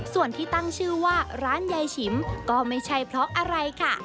ส่วนที่ตั้งชื่อว่าร้านยายฉิมก็ไม่ใช่เพราะอะไรค่ะ